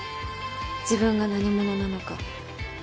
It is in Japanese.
自分が何者なのか